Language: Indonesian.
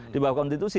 di bawah konstitusi